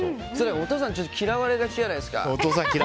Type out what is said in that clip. お父さん嫌われがちじゃないですか。